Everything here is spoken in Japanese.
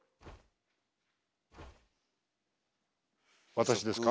私ですか？